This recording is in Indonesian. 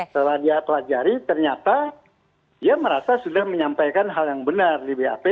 setelah dia pelajari ternyata dia merasa sudah menyampaikan hal yang benar di bap